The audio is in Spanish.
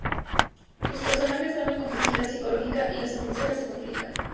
Sus personajes ganan complejidad psicológica y las atmósferas se complican.